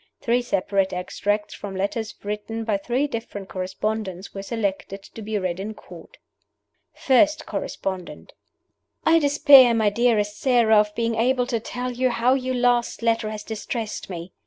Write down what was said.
Three separate extracts from letters written by three different correspondents were selected to be read in Court. FIRST CORRESPONDENT: "I despair, my dearest Sara, of being able to tell you how your last letter has distressed me.